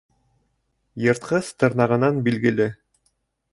Йыртҡыс тырнағынан билгеле.